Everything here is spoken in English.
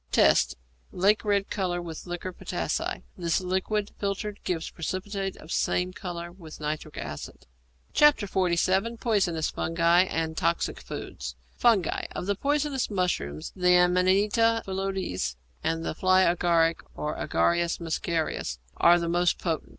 Tests. Lake red colour with liquor potassæ; this liquid filtered gives a precipitate of same colour with nitric acid. XLVII. POISONOUS FUNGI AND TOXIC FOODS =Fungi.= Of the poisonous mushrooms, the Amanita phalloides and the fly agaric, or Agaricus muscarius, are the most potent.